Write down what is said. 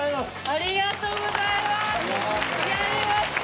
ありがとうございます！